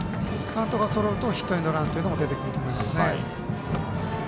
カウントがそろうとヒットエンドランというのも出てくると思います。